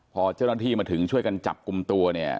พอเจ้าหน้าที่มาถึงช่วยกันจับกลุ่มตัวเนี่ย